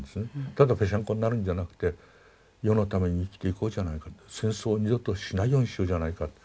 ただぺしゃんこになるんじゃなくて世のために生きていこうじゃないかと戦争を二度としないようにしようじゃないかというそういう話をした。